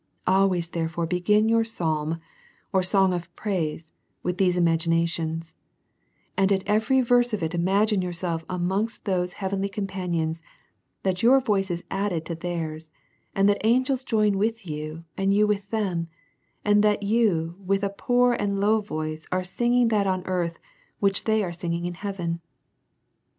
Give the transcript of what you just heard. Always therefore begin your psalm or song of praise with these imaginations ; and at every verse of it ima gine yourself amongst those heavenly companions, that your voice is added to theirs, and that angels join with you, and you with them ; and that you, with a poor and low voice, are singing that on earth which they are singing in heaven.